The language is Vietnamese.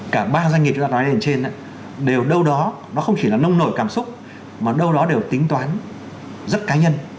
cả ba doanh nghiệp chúng ta nói lên trên đều đâu đó nó không chỉ là nông nổi cảm xúc mà đâu đó đều tính toán rất cá nhân